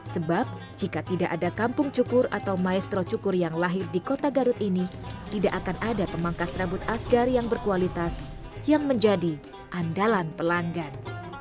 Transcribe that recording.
sebab jika tidak ada kampung cukur atau maestro cukur yang lahir di kota garut ini tidak akan ada pemangkas rambut asgar yang berkualitas yang menjadi andalan pelanggan